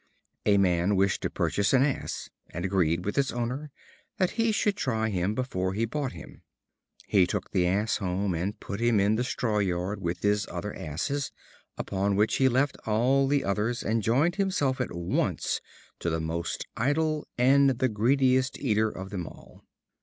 A man wished to purchase an Ass, and agreed with its owner that he should try him before he bought him. He took the Ass home, and put him in the straw yard with his other Asses, upon which he left all the others, and joined himself at once to the most idle and the greatest eater of them all.